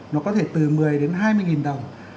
nó có thể từ một mươi đến hai mươi nghìn đồng